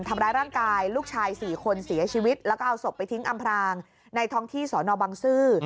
ทำร้ายร่างกายลูกชาย๔คนเสียชีวิตแล้วก็เอาศพไปทิ้งอำพรางในท้องที่สอนอบังซื้อ